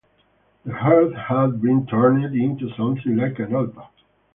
The hearth had been turned into something like an altar.